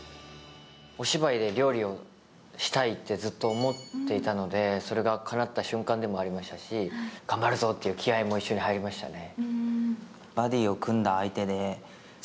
お芝居で料理をしたいってずっと思っていたので、それがかなった瞬間でもありましたし頑張るぞという気合いも一緒に入りましたね。